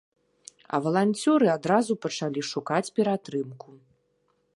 А валанцёры адразу пачалі шукаць ператрымку.